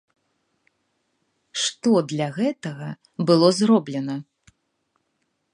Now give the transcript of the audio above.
Што для гэтага было зроблена?